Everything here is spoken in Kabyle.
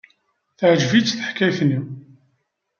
Teɛjeb-itt teḥkayt-nni.